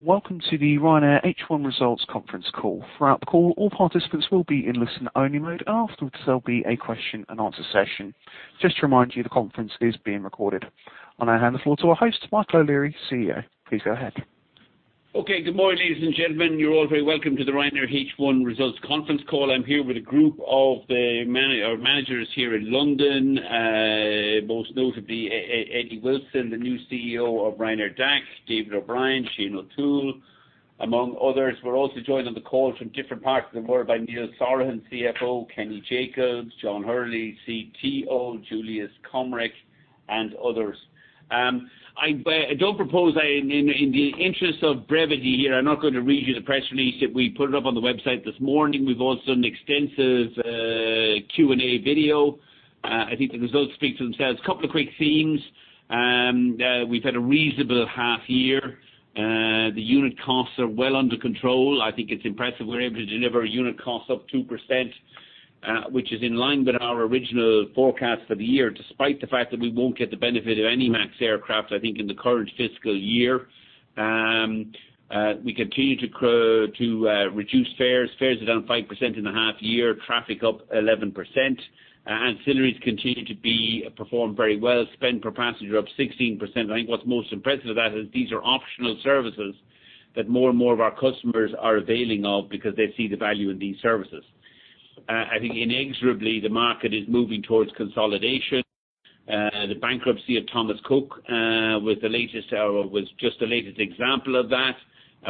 Welcome to the Ryanair H1 results conference call. Throughout the call, all participants will be in listen-only mode. Afterwards, there will be a question and answer session. Just to remind you, the conference is being recorded. I now hand the floor to our host, Michael O'Leary, CEO. Please go ahead. Okay. Good morning, ladies and gentlemen. You're all very welcome to the Ryanair H1 results conference call. I'm here with a group of our managers here in London, most notably, Eddie Wilson, the new CEO of Ryanair DAC, David O'Brien, Shane O'Toole, among others. We're also joined on the call from different parts of the world by Neil Sorahan, CFO, Kenny Jacobs, John Hurley, CTO, Juliusz Komorek, and others. I don't propose, in the interest of brevity here, I'm not going to read you the press release. We put it up on the website this morning. We've also done an extensive Q&A video. I think the results speak to themselves. A couple of quick themes. We've had a reasonable half year. The unit costs are well under control. I think it's impressive we're able to deliver unit costs up 2%, which is in line with our original forecast for the year, despite the fact that we won't get the benefit of any MAX aircraft, I think, in the current fiscal year. We continue to reduce fares. Fares are down 5% in the half year, traffic up 11%. Ancillaries continue to be performed very well. Spend per passenger up 16%. I think what's most impressive of that is these are optional services that more and more of our customers are availing of because they see the value in these services. I think inexorably, the market is moving towards consolidation. The bankruptcy of Thomas Cook was just the latest example of that.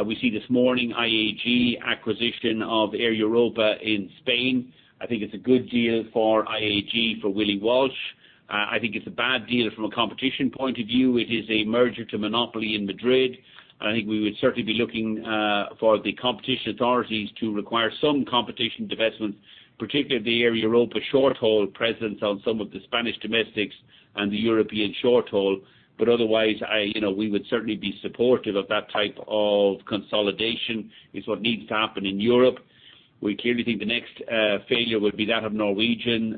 We see this morning IAG acquisition of Air Europa in Spain. I think it's a good deal for IAG, for Willie Walsh. I think it is a bad deal from a competition point of view. It is a merger to monopoly in Madrid, and I think we would certainly be looking for the competition authorities to require some competition divestment, particularly of the Air Europa short-haul presence on some of the Spanish domestics and the European short haul. Otherwise, we would certainly be supportive of that type of consolidation. It is what needs to happen in Europe. We clearly think the next failure would be that of Norwegian.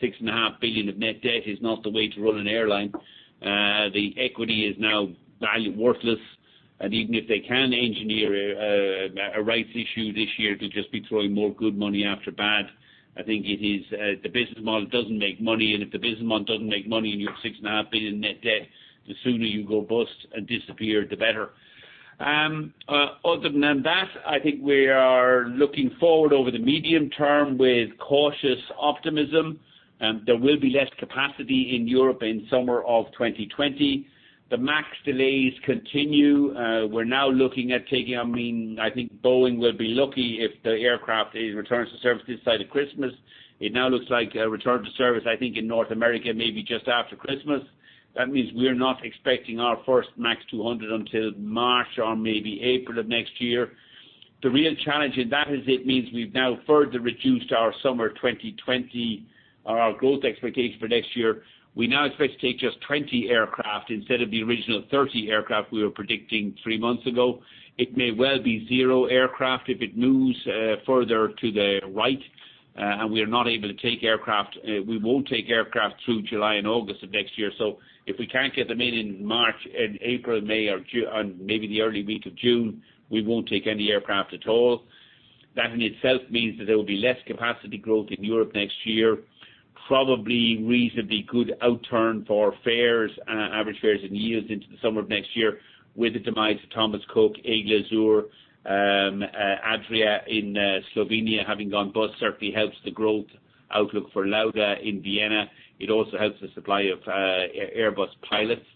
Six and a half billion of net debt is not the way to run an airline. The equity is now worthless, and even if they can engineer a rights issue this year, they will just be throwing more good money after bad. I think the business model doesn't make money, and if the business model doesn't make money, and you have six and a half billion in net debt, the sooner you go bust and disappear, the better. Other than that, I think we are looking forward over the medium term with cautious optimism. There will be less capacity in Europe in summer of 2020. The MAX delays continue. We're now looking at taking— I think Boeing will be lucky if the aircraft returns to service this side of Christmas. It now looks like a return to service, I think, in North America, maybe just after Christmas. That means we're not expecting our first MAX 200 until March or maybe April of next year. The real challenge in that is it means we've now further reduced our summer 2020 or our growth expectation for next year. We now expect to take just 20 aircraft instead of the original 30 aircraft we were predicting three months ago. It may well be zero aircraft if it moves further to the right and we're not able to take aircraft. We won't take aircraft through July and August of next year. If we can't get them in in March, in April, May, or maybe the early week of June, we won't take any aircraft at all. That in itself means that there will be less capacity growth in Europe next year. Probably reasonably good outturn for fares and average fares in yields into the summer of next year with the demise of Thomas Cook, Aigle Azur, Adria in Slovenia having gone bust certainly helps the growth outlook for Lauda in Vienna. It also helps the supply of Airbus pilots.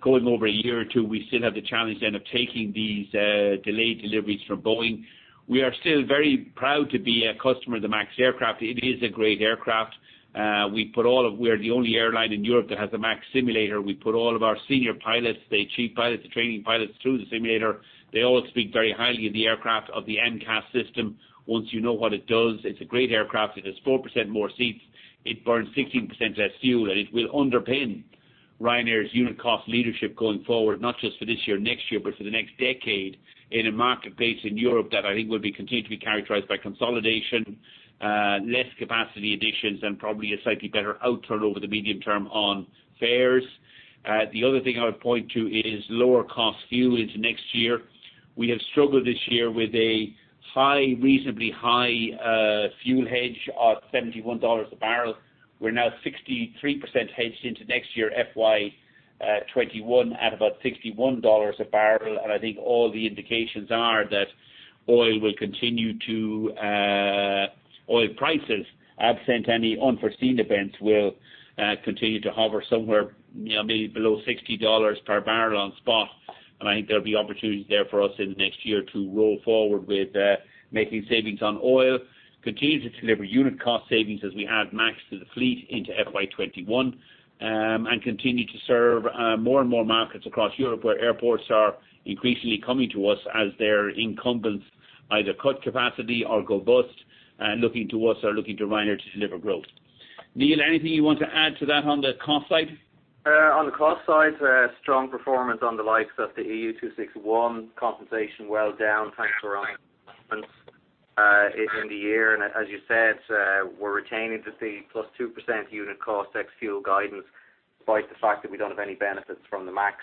Going over a year or two, we still have the challenge then of taking these delayed deliveries from Boeing. We are still very proud to be a customer of the MAX aircraft. It is a great aircraft. We are the only airline in Europe that has a MAX simulator. We put all of our senior pilots, the chief pilots, the training pilots, through the simulator. They all speak very highly of the aircraft, of the MCAS system. Once you know what it does, it's a great aircraft. It has 4% more seats. It burns 16% less fuel, and it will underpin Ryanair's unit cost leadership going forward, not just for this year, next year, but for the next decade in a market base in Europe that I think will continue to be characterized by consolidation, less capacity additions, and probably a slightly better outturn over the medium term on fares. The other thing I would point to is lower cost fuel into next year. We have struggled this year with a reasonably high fuel hedge at $71 a barrel. We are now 63% hedged into next year, FY 2021, at about $61 a barrel. I think all the indications are that oil prices, absent any unforeseen events, will continue to hover somewhere below $60 per barrel on spot. I think there'll be opportunities there for us in the next year to roll forward with making savings on oil, continue to deliver unit cost savings as we add MAX to the fleet into FY 2021, and continue to serve more and more markets across Europe where airports are increasingly coming to us as their incumbents either cut capacity or go bust and looking to us or looking to Ryanair to deliver growth. Neil, anything you want to add to that on the cost side? On the cost side, strong performance on the likes of the EU 261 compensation well down thanks to our In the year, as you said, we're retaining the +2% unit cost ex-fuel guidance despite the fact that we don't have any benefits from the MAX.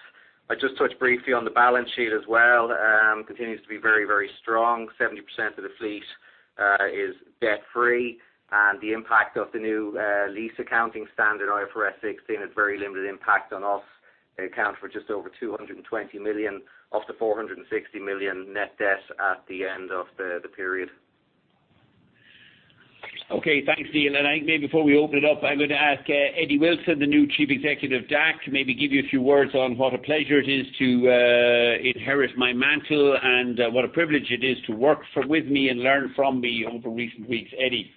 I'll just touch briefly on the balance sheet as well. Continues to be very, very strong. 70% of the fleet is debt-free, the impact of the new lease accounting standard, IFRS 16, has very limited impact on us. It accounts for just over 220 million of the 460 million net debt at the end of the period. Okay. Thanks, Neil. I think maybe before we open it up, I'm going to ask Eddie Wilson, the new Chief Executive of DAC, to maybe give you a few words on what a pleasure it is to inherit my mantle and what a privilege it is to work with me and learn from me over recent weeks. Eddie.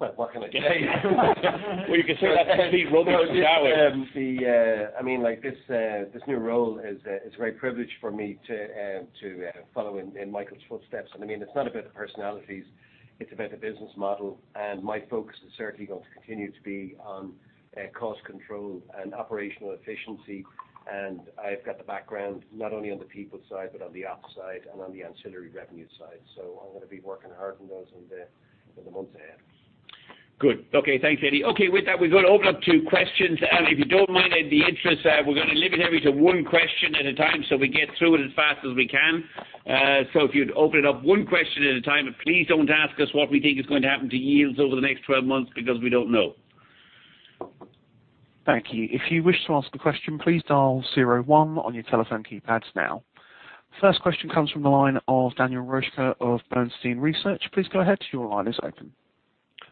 Well, what can I say? Well, you can say that to Steve Rosenberg in Dallas. This new role is very privileged for me to follow in Michael's footsteps. It's not about the personalities, it's about the business model. My focus is certainly going to continue to be on cost control and operational efficiency. I've got the background, not only on the people side, but on the ops side and on the ancillary revenue side. I'm going to be working hard on those in the months ahead. Good. Okay. Thanks, Eddie. Okay, with that, we're going to open up to questions. If you don't mind, in the interest, we're going to limit everybody to one question at a time so we get through it as fast as we can. If you'd open it up one question at a time, but please don't ask us what we think is going to happen to yields over the next 12 months, because we don't know. Thank you. If you wish to ask a question, please dial zero one on your telephone keypads now. First question comes from the line of Daniel Röska of Bernstein Research. Please go ahead. Your line is open.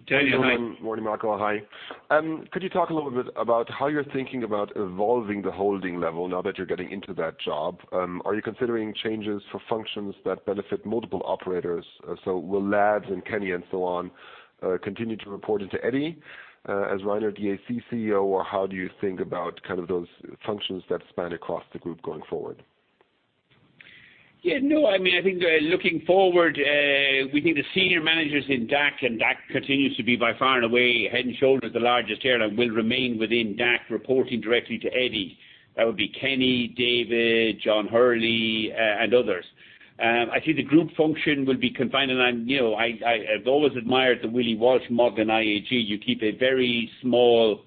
Daniel, hi. Morning, Michael. Hi. Could you talk a little bit about how you're thinking about evolving the holding level now that you're getting into that job? Are you considering changes for functions that benefit multiple operators? Will Labs in Kenny and so on, continue to report into Eddie, as Ryanair DAC CEO, or how do you think about those functions that span across the group going forward? Looking forward, we think the senior managers in DAC, and DAC continues to be by far and away head and shoulders the largest airline, will remain within DAC, reporting directly to Eddie. That would be Kenny, David, John Hurley, and others. The group function will be confined, and I've always admired the Willie Walsh model in IAG. You keep a very small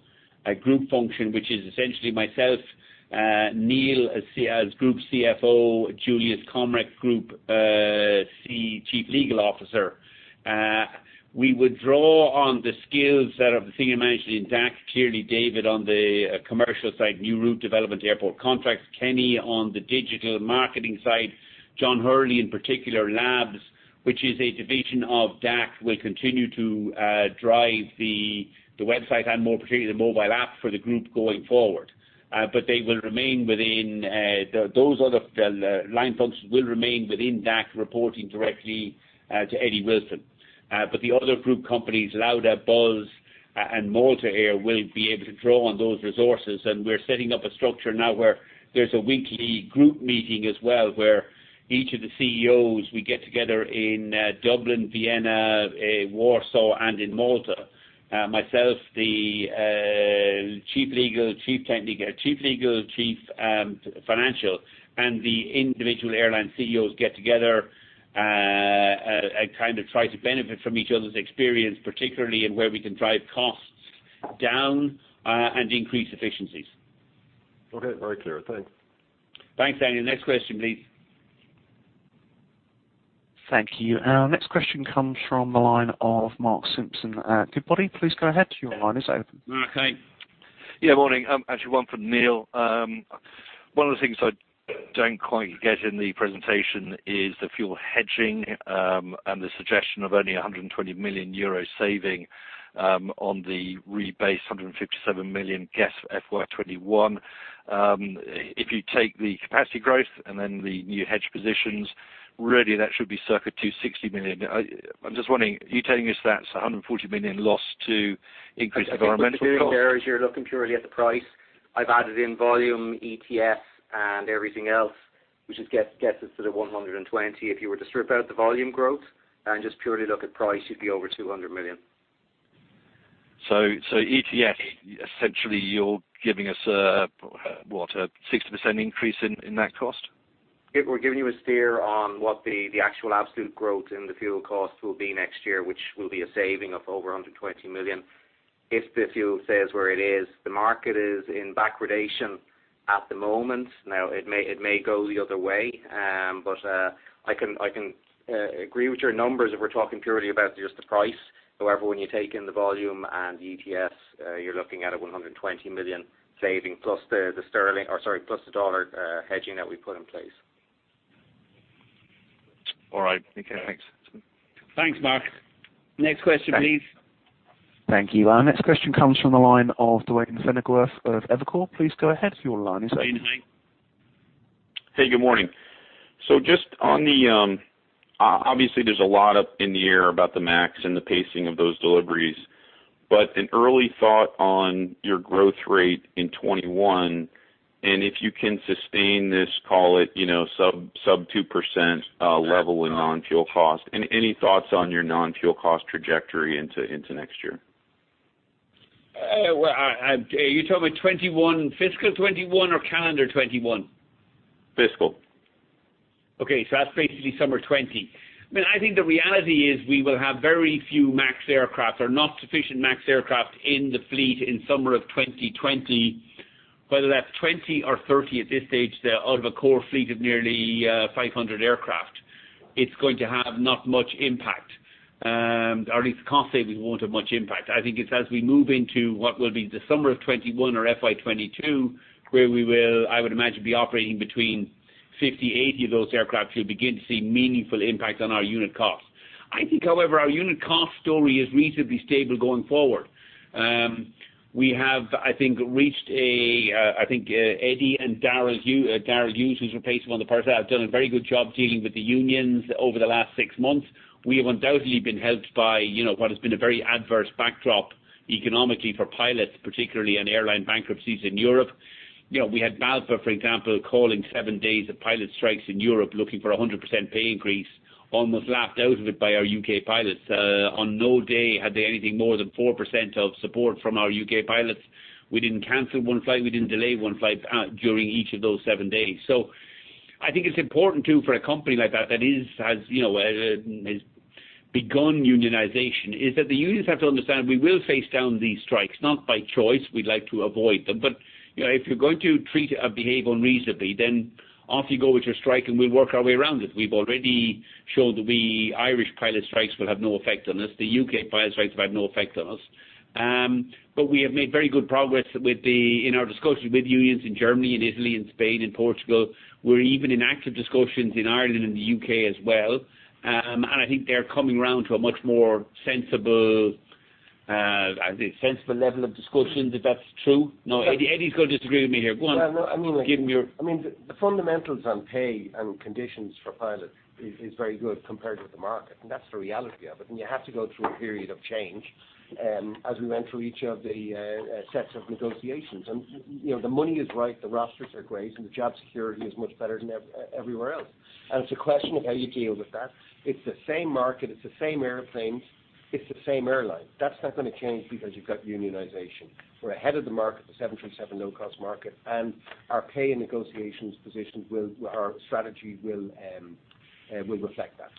group function, which is essentially myself, Neil as Group CFO, Juliusz Komorek, Group Chief Legal Officer. We would draw on the skills set of the senior management in DAC. Clearly David on the commercial side, new route development, airport contracts. Kenny on the digital marketing side. John Hurley in particular, Labs, which is a division of DAC, will continue to drive the website and more particularly the mobile app for the group going forward. Those other line functions will remain within DAC, reporting directly to Eddie Wilson. The other group companies, Lauda, Buzz, and Malta Air, will be able to draw on those resources. We're setting up a structure now where there's a weekly group meeting as well, where each of the CEOs, we get together in Dublin, Vienna, Warsaw and in Malta. Myself, the Chief Legal, Chief Financial, and the individual airline CEOs get together and try to benefit from each other's experience, particularly in where we can drive costs down and increase efficiencies. Okay. Very clear. Thanks. Thanks, Daniel. Next question, please. Thank you. Our next question comes from the line of Mark Simpson at Goodbody. Please go ahead. Your line is open. Mark, hi. Yeah, morning. Actually one for Neil. One of the things I don't quite get in the presentation is the fuel hedging, and the suggestion of only 120 million euro saving on the rebased $157 million guess FY 2021. If you take the capacity growth and then the new hedge positions, really that should be circa $260 million. I'm just wondering, are you telling us that's $140 million loss to increased economical cost? I think the figure there is you are looking purely at the price. I have added in volume, ETS, and everything else, which gets us to the 120. If you were to strip out the volume growth and just purely look at price, you would be over 200 million. ETS, essentially you're giving us a what? A 60% increase in that cost? We're giving you a steer on what the actual absolute growth in the fuel costs will be next year, which will be a saving of over $120 million if the fuel stays where it is. The market is in backwardation at the moment. It may go the other way. I can agree with your numbers if we're talking purely about just the price. When you take in the volume and the ETS, you're looking at a $120 million saving plus the dollar hedging that we put in place. All right. Okay, thanks. Thanks, Mark. Next question, please. Thank you. Our next question comes from the line of Duane Pfennigwerth of Evercore. Please go ahead. Your line is open. Duane, hi. Hey, good morning. Obviously, there's a lot up in the air about the MAX and the pacing of those deliveries, but an early thought on your growth rate in 2021, and if you can sustain this, call it sub 2% level in non-fuel cost? Any thoughts on your non-fuel cost trajectory into next year? Well, are you talking about fiscal 2021 or calendar 2021? Fiscal. That's basically summer 2020. I think the reality is we will have very few MAX aircraft or not sufficient MAX aircraft in the fleet in the summer of 2020. Whether that's 20 or 30 at this stage, they're out of a core fleet of nearly 500 aircraft. It's going to have not much impact. At least can't say we won't have much impact. I think it's as we move into what will be the summer of 2021 or FY 2022, where we will, I would imagine, be operating between 50, 80 of those aircraft. You'll begin to see meaningful impacts on our unit costs. I think, however, our unit cost story is reasonably stable going forward. We have, I think Eddie and Darrell Hughes, who's replaced one of the parts there, have done a very good job dealing with the unions over the last six months. We have undoubtedly been helped by what has been a very adverse backdrop economically for pilots, particularly in airline bankruptcies in Europe. We had BALPA, for example, calling seven days of pilot strikes in Europe looking for 100% pay increase, almost laughed out of it by our U.K. pilots. On no day had they anything more than 4% of support from our U.K. pilots. We didn't cancel one flight, we didn't delay one flight during each of those seven days. I think it's important too, for a company like that that has begun unionization, is that the unions have to understand we will face down these strikes, not by choice, we'd like to avoid them. If you're going to treat or behave unreasonably, then off you go with your strike and we'll work our way around it. We've already shown the Irish pilot strikes will have no effect on us. The U.K. pilot strikes have had no effect on us. We have made very good progress in our discussions with unions in Germany, in Italy, in Spain, and Portugal. We're even in active discussions in Ireland and the U.K. as well. I think they're coming around to a much more sensible level of discussions, if that's true. No, Eddie's going to disagree with me here. Go on. I mean, the fundamentals on pay and conditions for pilots is very good compared with the market, and that's the reality of it, and you have to go through a period of change as we went through each of the sets of negotiations. The money is right, the rosters are great, and the job security is much better than everywhere else. It's a question of how you deal with that. It's the same market, it's the same airplanes, it's the same airline. That's not going to change because you've got unionization. We're ahead of the market, the 737 low-cost market, and our pay and negotiations positions, our strategy will reflect that.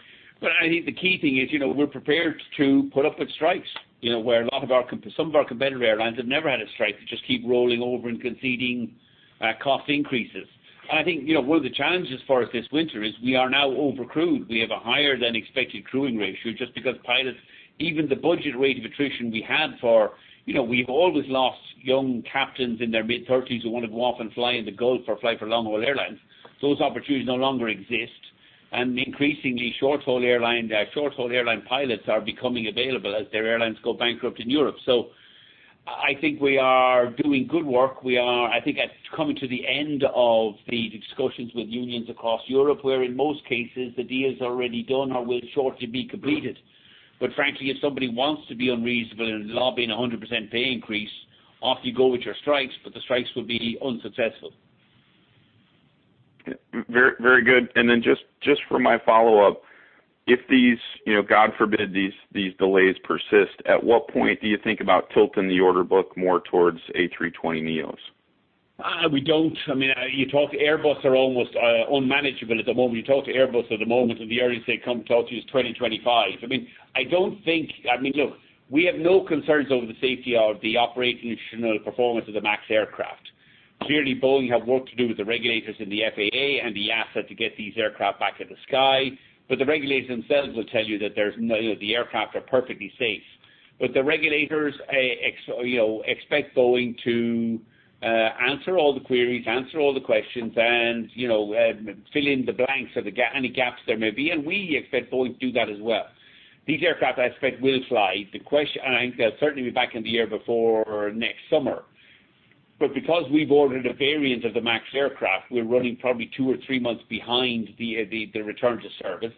I think the key thing is we're prepared to put up with strikes. Some of our competitor airlines have never had a strike. They just keep rolling over and conceding cost increases. I think one of the challenges for us this winter is we are now overcrewed. We have a higher-than-expected crewing ratio just because pilots. We've always lost young captains in their mid-30s who want to go off and fly in the Gulf or fly for long-haul airlines. Those opportunities no longer exist, and increasingly short-haul airline pilots are becoming available as their airlines go bankrupt in Europe. I think we are doing good work. I think that's coming to the end of the discussions with unions across Europe, where in most cases, the deal is already done or will shortly be completed. Frankly, if somebody wants to be unreasonable and is lobbying 100% pay increase, off you go with your strikes, but the strikes will be unsuccessful. Very good. Then just for my follow-up, if these, God forbid, these delays persist, at what point do you think about tilting the order book more towards A320neo? We don't. Airbus are almost unmanageable at the moment. You talk to Airbus at the moment, and the earliest they come and talk to you is 2025. Look, we have no concerns over the safety of the operational performance of the MAX aircraft. Clearly, Boeing have work to do with the regulators in the FAA and EASA to get these aircraft back in the sky. The regulators themselves will tell you that the aircraft are perfectly safe. The regulators expect Boeing to answer all the queries, answer all the questions, and fill in the blanks of any gaps there may be, and we expect Boeing to do that as well. These aircraft, I expect, will fly. They'll certainly be back in the air before next summer. Because we've ordered a variant of the MAX aircraft, we're running probably two or three months behind the return to service.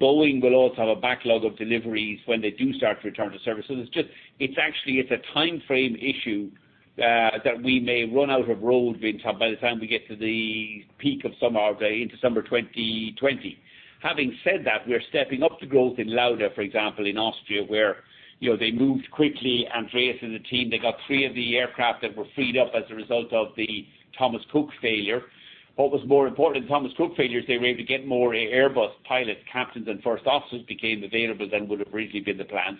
Boeing will also have a backlog of deliveries when they do start to return to service. It's actually a timeframe issue that we may run out of road by the time we get to the peak of summer or into summer 2020. Having said that, we're stepping up the growth in Lauda, for example, in Austria, where they moved quickly. Andreas and the team, they got three of the aircraft that were freed up as a result of the Thomas Cook failure. What was more important than Thomas Cook failure is they were able to get more Airbus pilots, captains, and first officers became available than would have originally been the plan.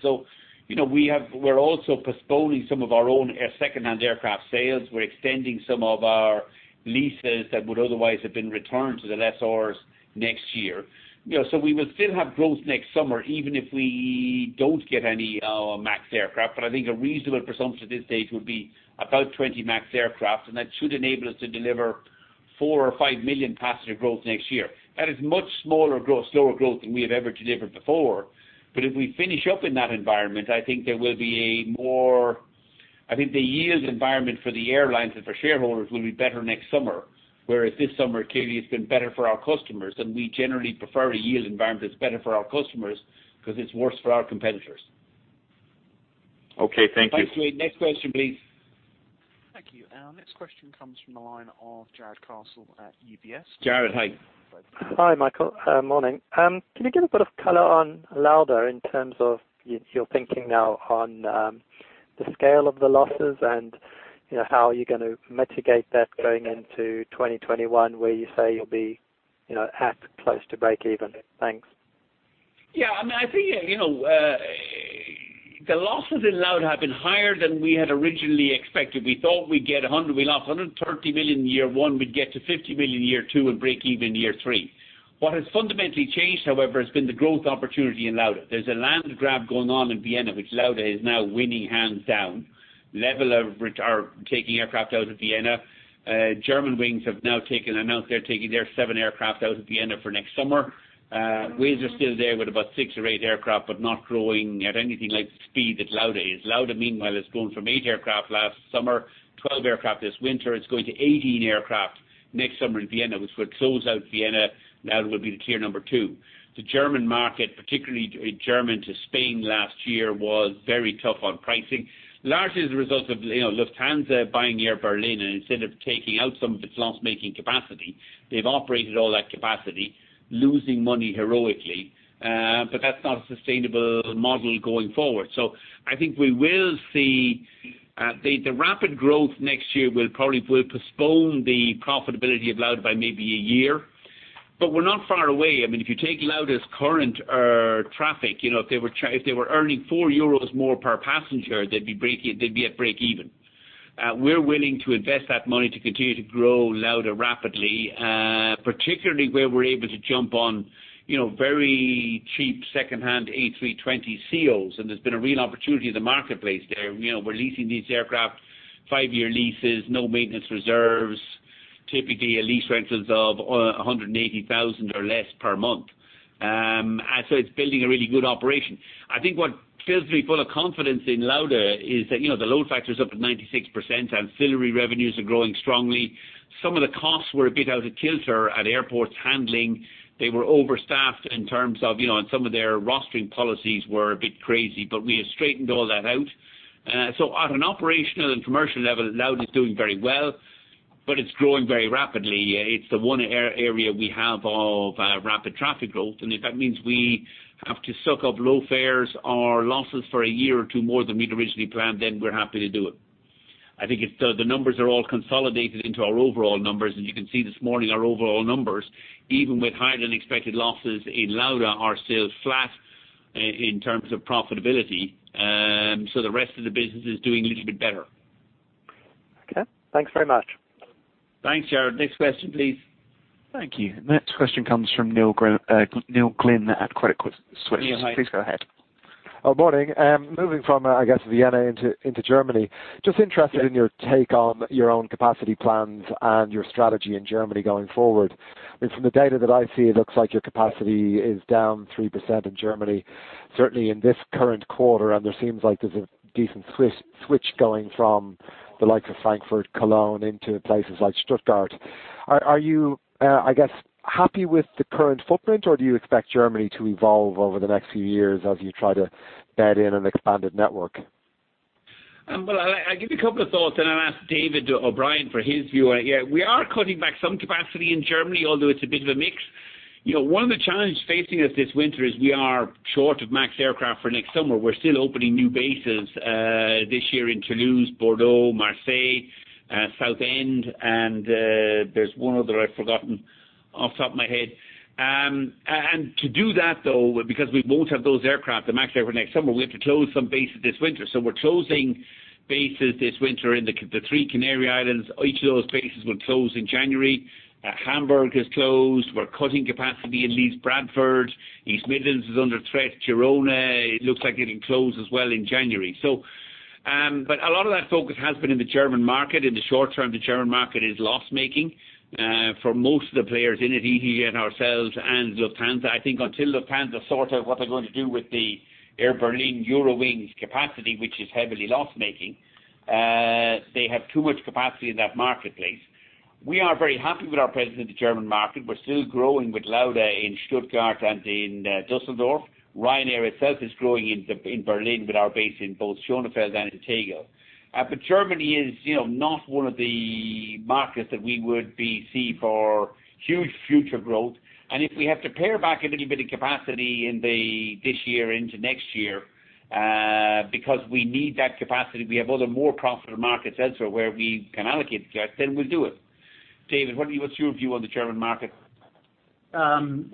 We're also postponing some of our own secondhand aircraft sales. We're extending some of our leases that would otherwise have been returned to the lessors next year. We will still have growth next summer, even if we don't get any MAX aircraft. I think a reasonable presumption to this date would be about 20 MAX aircraft, and that should enable us to deliver four or five million passenger growth next year. That is much slower growth than we have ever delivered before. If we finish up in that environment, I think the yield environment for the airlines and for shareholders will be better next summer, whereas this summer, clearly it's been better for our customers, and we generally prefer a yield environment that's better for our customers because it's worse for our competitors. Okay. Thank you. Thanks, Duane. Next question, please. Thank you. Our next question comes from the line of Jarrod Castle at UBS. Jarrod, hi. Hi, Michael. Morning. Can you give a bit of color on Lauda in terms of your thinking now on the scale of the losses and how you're going to mitigate that going into 2021 where you say you'll be at close to breakeven? Thanks. I think the losses in Lauda have been higher than we had originally expected. We thought we'd lose 130 million in year one, we'd get to 50 million in year two and break-even in year three. What has fundamentally changed, however, has been the growth opportunity in Lauda. There's a land grab going on in Vienna, which Lauda is now winning hands down. Level are taking aircraft out of Vienna. Germanwings have now announced they're taking their seven aircraft out at Vienna for next summer. Wizz are still there with about six or eight aircraft, but not growing at anything like the speed that Lauda is. Lauda, meanwhile, has gone from eight aircraft last summer, 12 aircraft this winter. It's going to 18 aircraft next summer in Vienna, which will close out Vienna. Lauda will be the tier number 2. The German market, particularly German to Spain last year, was very tough on pricing, largely as a result of Lufthansa buying Air Berlin. Instead of taking out some of its loss-making capacity, they've operated all that capacity, losing money heroically. That's not a sustainable model going forward. I think we will see the rapid growth next year will probably postpone the profitability of Lauda by maybe a year, but we're not far away. If you take Lauda's current traffic, if they were earning 4 euros more per passenger, they'd be at breakeven. We're willing to invest that money to continue to grow Lauda rapidly, particularly where we're able to jump on very cheap secondhand A320ceo, and there's been a real opportunity in the marketplace there. We're leasing these aircraft, five-year leases, no maintenance reserves. Typically, a lease rental is of 180,000 or less per month. It's building a really good operation. I think what fills me full of confidence in Lauda is that the load factor is up at 96%, ancillary revenues are growing strongly. Some of the costs were a bit out of kilter at airports handling. They were overstaffed in terms of some of their rostering policies were a bit crazy, but we have straightened all that out. At an operational and commercial level, Lauda is doing very well, but it's growing very rapidly. It's the one area we have of rapid traffic growth, and if that means we have to soak up low fares or losses for a year or two more than we'd originally planned, then we're happy to do it. I think the numbers are all consolidated into our overall numbers, and you can see this morning our overall numbers, even with higher-than-expected losses in Lauda, are still flat in terms of profitability. The rest of the business is doing a little bit better. Okay. Thanks very much. Thanks, Jarrod. Next question, please. Thank you. Next question comes from Neil Glynn at Credit Suisse. Neil, hi. Please go ahead. Morning. Moving from Vienna into Germany. Just interested in your take on your own capacity plans and your strategy in Germany going forward. From the data that I see, it looks like your capacity is down 3% in Germany, certainly in this current quarter, and there seems like there's a decent switch going from the likes of Frankfurt, Cologne, into places like Stuttgart. Are you happy with the current footprint, or do you expect Germany to evolve over the next few years as you try to bed in an expanded network? Well, I'll give you a couple of thoughts, and I'll ask David O'Brien for his view. We are cutting back some capacity in Germany, although it's a bit of a mix. One of the challenges facing us this winter is we are short of MAX aircraft for next summer. We're still opening new bases this year in Toulouse, Bordeaux, Marseille, Southend. There's one other I've forgotten off the top of my head. To do that, though, because we won't have those aircraft, the MAX aircraft, next summer, we have to close some bases this winter. We're closing bases this winter in the three Canary Islands. Each of those bases will close in January. Hamburg has closed. We're cutting capacity in Leeds Bradford. East Midlands is under threat. Girona looks like it'll close as well in January. A lot of that focus has been in the German market. In the short term, the German market is loss-making for most of the players in it, easyJet, ourselves, and Lufthansa. I think until Lufthansa sort out what they're going to do with the Air Berlin Eurowings capacity, which is heavily loss-making. They have too much capacity in that marketplace. We are very happy with our presence in the German market. We're still growing with Lauda in Stuttgart and in Düsseldorf. Ryanair itself is growing in Berlin with our base in both Schönefeld and Tegel. Germany is not one of the markets that we would see for huge future growth, and if we have to pare back a little bit of capacity this year into next year because we need that capacity, we have other more profitable markets elsewhere where we can allocate the capacity, then we'll do it. David, what's your view on the German market? One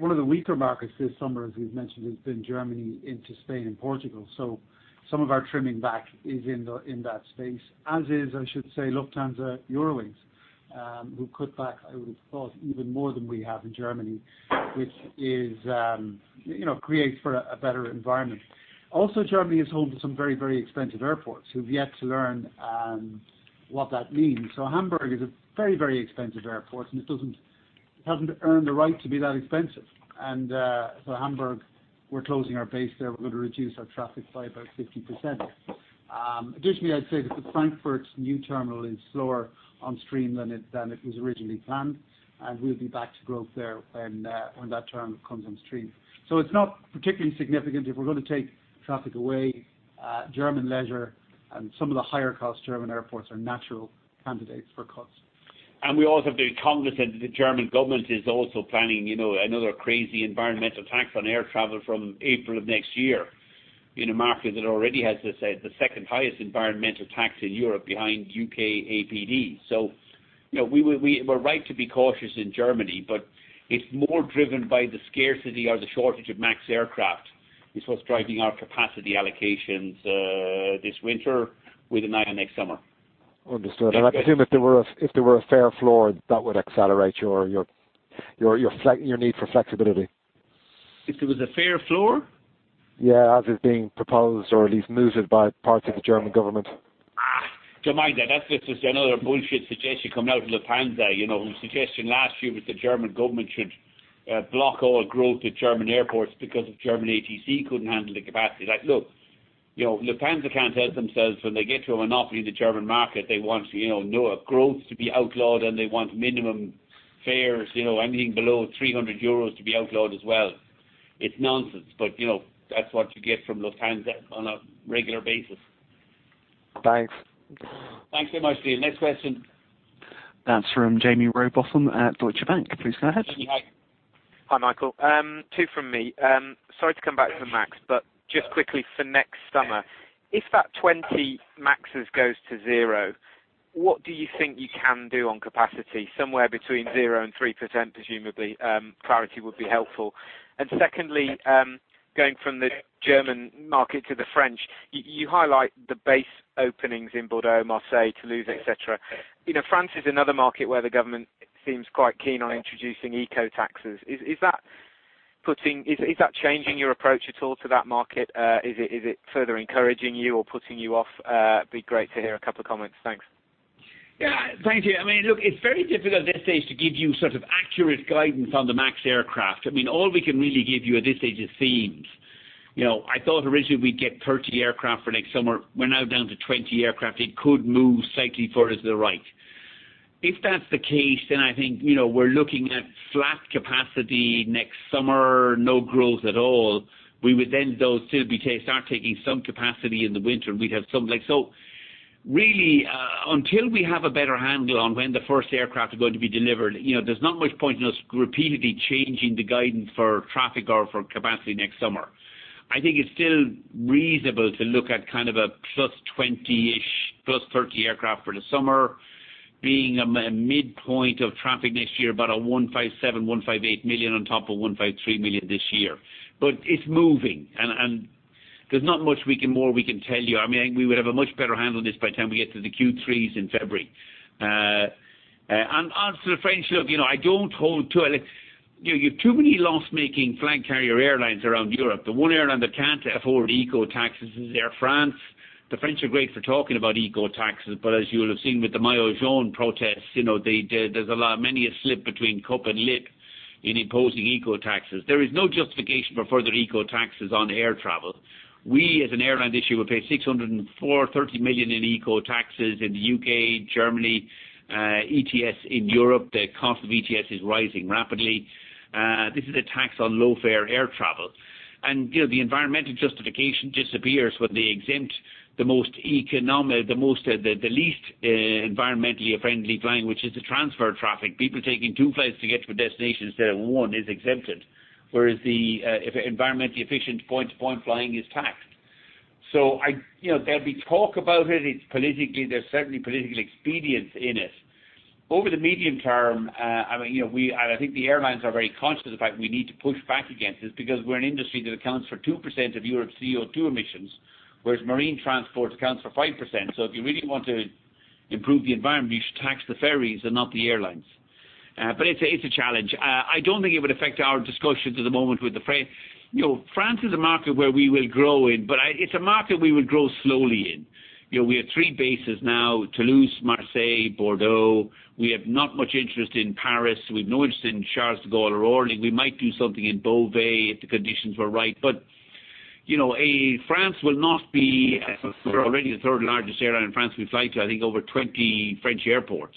of the weaker markets this summer, as we've mentioned, has been Germany into Spain and Portugal. Some of our trimming back is in that space, as is, I should say, Lufthansa Eurowings, who cut back, I would have thought, even more than we have in Germany, which creates for a better environment. Also, Germany is home to some very, very expensive airports who've yet to learn what that means. Hamburg is a very, very expensive airport, and it hasn't earned the right to be that expensive. Hamburg, we're closing our base there. We're going to reduce our traffic by about 50%. Additionally, I'd say that the Frankfurt's new terminal is slower on stream than it was originally planned, and we'll be back to growth there when that terminal comes on stream. It's not particularly significant. If we're going to take traffic away, German leisure and some of the higher-cost German airports are natural candidates for cuts. We also have the Congress and the German government is also planning another crazy environmental tax on air travel from April of next year in a market that already has the second highest environmental tax in Europe behind UK APD. We're right to be cautious in Germany, but it's more driven by the scarcity or the shortage of MAX aircraft is what's driving our capacity allocations this winter with an eye on next summer. Understood. I presume if there were a fair floor, that would accelerate your need for flexibility. If there was a fair floor? Yeah. As is being proposed or at least mooted by parts of the German government. Don't mind that. That's just another bullshit suggestion coming out of Lufthansa. Whose suggestion last year was the German government should block all growth at German airports because the German ATC couldn't handle the capacity. Look, Lufthansa can't help themselves when they get to a monopoly in the German market, they want no growth to be outlawed, and they want minimum fares, anything below 300 euros to be outlawed as well. It's nonsense. That's what you get from Lufthansa on a regular basis. Thanks. Thanks very much, Neil. Next question. That's from Jaime Rowbotham at Deutsche Bank. Please go ahead. Jaime, hi. Hi, Michael. Two from me. Sorry to come back to the MAX, just quickly for next summer. If that 20 MAXes goes to zero, what do you think you can do on capacity? Somewhere between 0% and 3%, presumably. Clarity would be helpful. Secondly, going from the German market to the French, you highlight the base openings in Bordeaux, Marseille, Toulouse, et cetera. France is another market where the government seems quite keen on introducing eco taxes. Is that changing your approach at all to that market? Is it further encouraging you or putting you off? It'd be great to hear a couple of comments. Thanks. Yeah. Thank you. Look, it's very difficult at this stage to give you sort of accurate guidance on the MAX aircraft. All we can really give you at this stage is themes. I thought originally we'd get 30 aircraft for next summer. We're now down to 20 aircraft. It could move slightly further to the right. If that's the case, then I think, we're looking at flat capacity next summer. No growth at all. We would then though still start taking some capacity in the winter, and we'd have something. Really, until we have a better handle on when the first aircraft is going to be delivered, there's not much point in us repeatedly changing the guidance for traffic or for capacity next summer. I think it's still reasonable to look at kind of a plus 20-ish, plus 30 aircraft for the summer. Being a midpoint of traffic next year, about 157, 158 million on top of 153 million this year. It's moving, and there's not much more we can tell you. I think we would have a much better handle on this by the time we get to the Q3s in February. As to the French, look, you have too many loss-making flag carrier airlines around Europe. The one airline that can't afford eco taxes is Air France. The French are great for talking about eco taxes, but as you will have seen with the Gilets jaunes protests, there's many a slip between cup and lip in imposing eco taxes. There is no justification for further eco taxes on air travel. We, as an airline, this year, will pay 630 million in eco taxes in the U.K., Germany. ETS in Europe, the cost of ETS is rising rapidly. This is a tax on low-fare air travel. The environmental justification disappears when they exempt the least environmentally friendly plane, which is the transfer traffic. People taking two flights to get to a destination instead of one is exempted, whereas the environmentally efficient point-to-point flying is taxed. There'll be talk about it. There's certainly political expedience in it. Over the medium term, I think the airlines are very conscious of the fact we need to push back against this because we're an industry that accounts for 2% of Europe's CO2 emissions, whereas marine transport accounts for 5%. If you really want to improve the environment, you should tax the ferries and not the airlines. It's a challenge. I don't think it would affect our discussions at the moment with the French. France is a market where we will grow in, but it's a market we will grow slowly in. We have three bases now, Toulouse, Marseille, Bordeaux. We have not much interest in Paris. We've no interest in Charles de Gaulle or Orly. We might do something in Beauvais if the conditions were right. We're already the third-largest airline in France. We fly to, I think, over 20 French airports.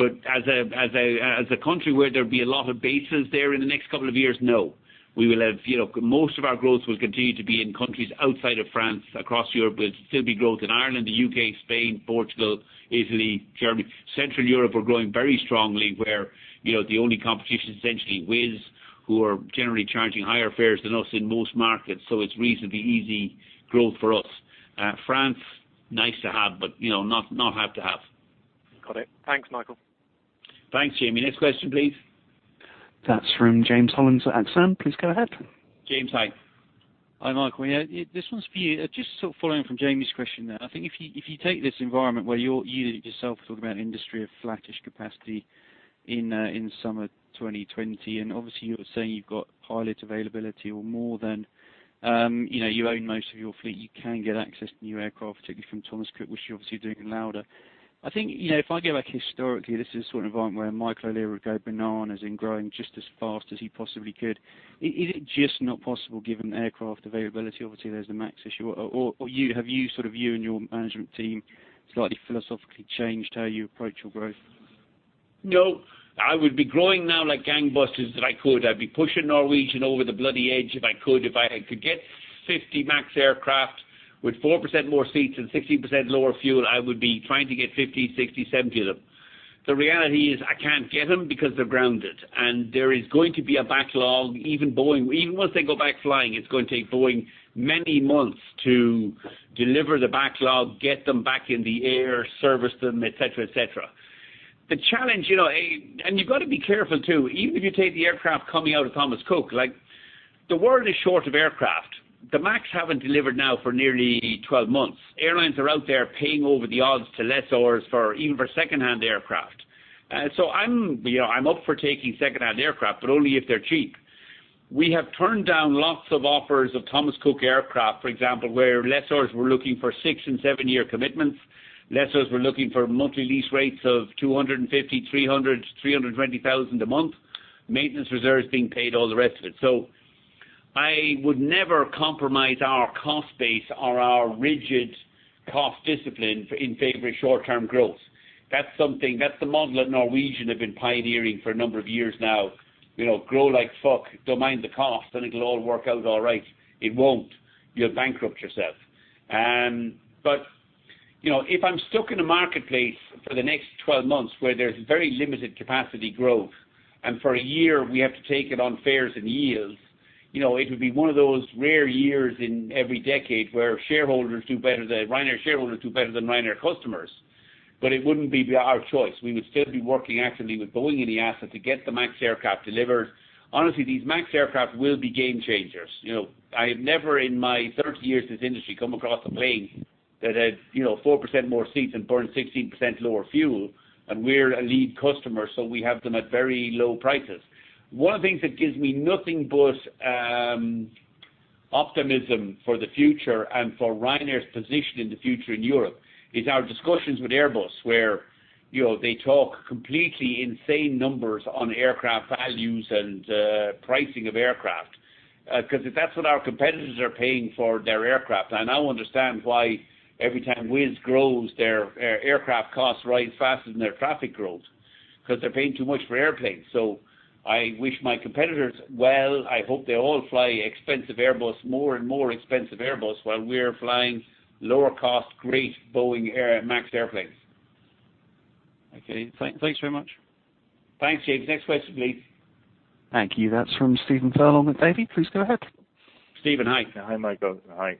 As a country where there'd be a lot of bases there in the next couple of years, no. Most of our growth will continue to be in countries outside of France, across Europe. There'll still be growth in Ireland, the U.K., Spain, Portugal, Italy, Germany. Central Europe, we're growing very strongly where the only competition is essentially Wizz, who are generally charging higher fares than us in most markets. It's reasonably easy growth for us. France, nice to have, but not have to have. Got it. Thanks, Michael. Thanks, Jaime. Next question, please. That's from James Hollins at Exane. Please go ahead. James, hi. Hi, Michael. Yeah. This one's for you. Just sort of following from Jaime's question there. I think if you take this environment where you yourself are talking about an industry of flattish capacity in summer 2020, and obviously you're saying you've got pilot availability or more than. You own most of your fleet. You can get access to new aircraft, particularly from Thomas Cook, which you're obviously doing in Lauda. I think, if I go back historically, this is the sort of environment where Michael O'Leary would go bananas in growing just as fast as he possibly could. Is it just not possible given the aircraft availability? Obviously, there's the MAX issue. Have you and your management team slightly philosophically changed how you approach your growth? I would be growing now like gangbusters if I could. I'd be pushing Norwegian over the bloody edge if I could. If I could get 50 MAX aircraft with 4% more seats and 16% lower fuel, I would be trying to get 50, 60, 70 of them. The reality is I can't get them because they're grounded, there is going to be a backlog. Even once they go back flying, it's going to take Boeing many months to deliver the backlog, get them back in the air, service them, et cetera. You've got to be careful, too. Even if you take the aircraft coming out of Thomas Cook, the world is short of aircraft. The MAX haven't delivered now for nearly 12 months. Airlines are out there paying over the odds to lessors even for secondhand aircraft. I'm up for taking secondhand aircraft, but only if they're cheap. We have turned down lots of offers of Thomas Cook aircraft, for example, where lessors were looking for six and seven-year commitments. Lessors were looking for monthly lease rates of 250,000, 300,000, 320,000 a month, maintenance reserves being paid, all the rest of it. I would never compromise our cost base or our rigid cost discipline in favor of short-term growth. That's the model that Norwegian have been pioneering for a number of years now. Grow like fuck, don't mind the cost, and it'll all work out all right. It won't. You'll bankrupt yourself. If I'm stuck in a marketplace for the next 12 months where there's very limited capacity growth, and for a year we have to take it on fares and yields, it'll be one of those rare years in every decade where Ryanair shareholders do better than Ryanair customers. It wouldn't be our choice. We would still be working actively with Boeing in the asset to get the MAX aircraft delivered. Honestly, these MAX aircraft will be game changers. I have never in my 30 years in this industry come across a plane that has 4% more seats and burns 16% lower fuel, and we're a lead customer, so we have them at very low prices. One of the things that gives me nothing but optimism for the future and for Ryanair's position in the future in Europe is our discussions with Airbus, where they talk completely insane numbers on aircraft values and pricing of aircraft. If that's what our competitors are paying for their aircraft, I now understand why every time Wizz grows, their aircraft cost rise faster than their traffic growth, because they're paying too much for airplanes. I wish my competitors well. I hope they all fly expensive Airbus, more and more expensive Airbus while we're flying lower cost, great Boeing MAX airplanes. Okay. Thanks very much. Thanks, James. Next question, please. Thank you. That's from Stephen Furlong with Davy. Please go ahead. Stephen, hi. Hi, Michael. Hi.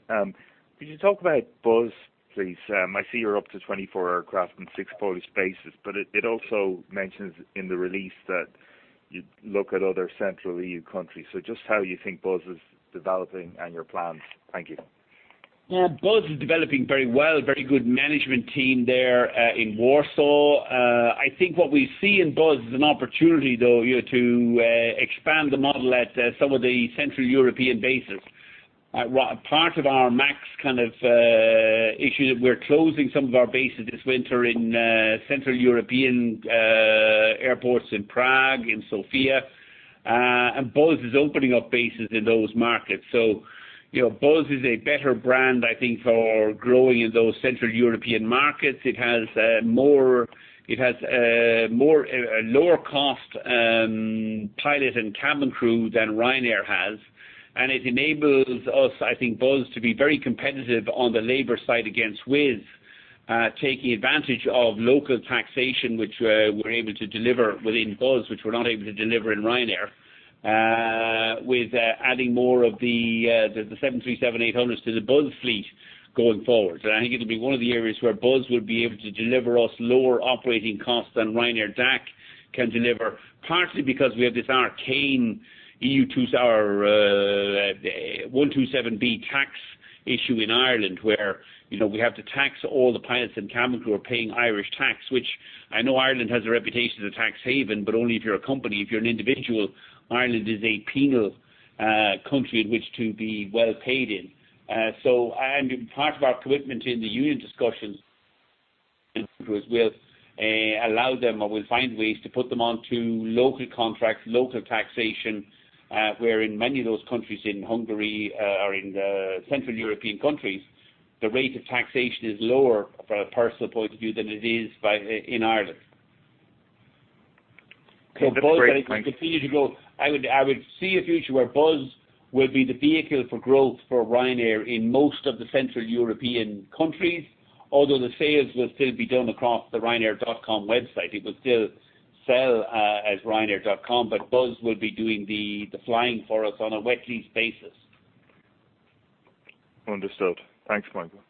Could you talk about Buzz, please? I see you're up to 24 aircraft and six Polish bases, but it also mentions in the release that you'd look at other central EU countries. Just how you think Buzz is developing and your plans. Thank you. Yeah. Buzz is developing very well. Very good management team there in Warsaw. I think what we see in Buzz is an opportunity, though, to expand the model at some of the Central European bases. Part of our MAX kind of issue that we're closing some of our bases this winter in Central European airports in Prague, in Sofia. Buzz is opening up bases in those markets. Buzz is a better brand, I think, for growing in those Central European markets. It has a lower cost pilot and cabin crew than Ryanair has. It enables us, I think, Buzz to be very competitive on the labor side against Wizz, taking advantage of local taxation, which we're able to deliver within Buzz, which we're not able to deliver in Ryanair, with adding more of the 737-800s to the Buzz fleet going forward. I think it'll be one of the areas where Buzz would be able to deliver us lower operating costs than Ryanair DAC can deliver, partly because we have this arcane S127B tax issue in Ireland, where we have to tax all the pilots and cabin crew are paying Irish tax. I know Ireland has a reputation as a tax haven, but only if you're a company. If you're an individual, Ireland is a penal country in which to be well paid in. Part of our commitment in the union discussions was we'll allow them, or we'll find ways to put them onto local contracts, local taxation where, in many of those countries in Hungary or in the Central European countries, the rate of taxation is lower from a personal point of view than it is in Ireland. That's great. Thanks. Buzz I think will continue to grow. I would see a future where Buzz will be the vehicle for growth for Ryanair in most of the Central European countries, although the sales will still be done across the ryanair.com website. It will still sell as ryanair.com, but Buzz will be doing the flying for us on a wet lease basis. Understood. Thanks, Michael.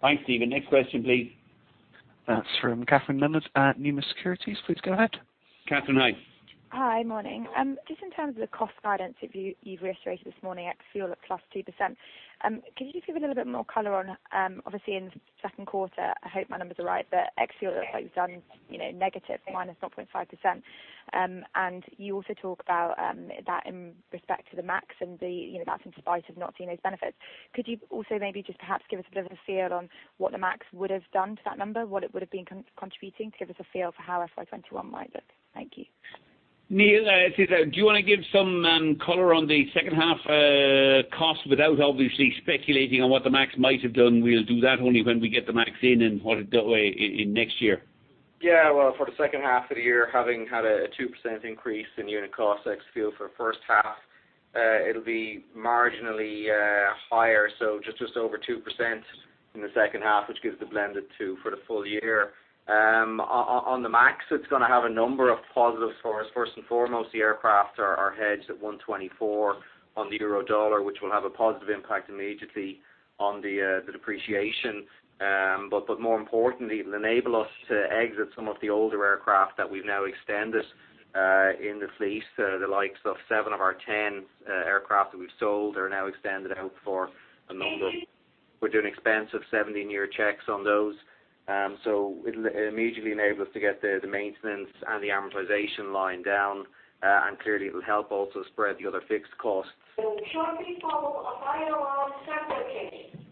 Thanks, Stephen. Next question, please. That's from Kathryn Leonard at Numis Securities. Please go ahead. Kathryn, hi. Hi. Morning. In terms of the cost guidance, you've reiterated this morning ex-fuel at +2%. Could you just give a little bit more color on, obviously in the second quarter, I hope my numbers are right, ex-fuel looks like it was done negative, -0.5%. You also talk about that in respect to the MAX and that's in spite of not seeing those benefits. Could you also maybe just perhaps give us a bit of a feel on what the MAX would've done to that number, what it would've been contributing to give us a feel for how FY 2021 might look? Thank you. Neil, do you want to give some color on the second half costs without obviously speculating on what the MAX might have done? We'll do that only when we get the MAX in and what it next year. Well, for the second half of the year, having had a 2% increase in unit cost ex fuel for the first half, it'll be marginally higher. Just over 2% in the second half, which gives the blended 2 for the full year. On the MAX, it's going to have a number of positives for us. First and foremost, the aircraft are hedged at 124 on the euro/dollar, which will have a positive impact immediately on the depreciation. More importantly, it'll enable us to exit some of the older aircraft that we've now extended in this lease. The likes of seven of our 10 aircraft that we've sold are now extended out for a number. We're doing expensive 17-year checks on those. It'll immediately enable us to get the maintenance and the amortization line down. And clearly, it'll help also spread the other fixed costs. Will shortly follow a fire alarm sound location.